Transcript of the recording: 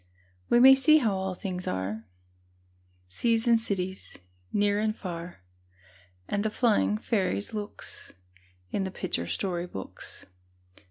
We may see how all things are, Seas and cities, near and far, And the flying fairies' looks, In the picture story books.